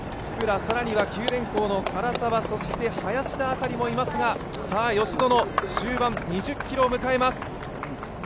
更には九電工の唐沢そして林田辺りもいますが、吉薗終盤２０ｋｍを迎えます。